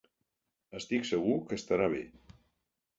Estic segur que estarà bé.